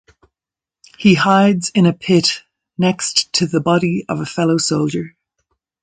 He hides in a pit next to the body of a fellow soldier.